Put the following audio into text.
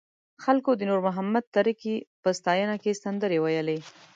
خلکو د نور محمد تره کي په ستاینه کې سندرې ویلې.